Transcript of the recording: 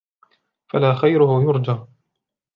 فَلَا خَيْرُهُ يُرْجَى